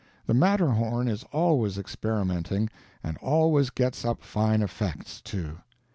The Matterhorn is always experimenting, and always gets up fine effects, too.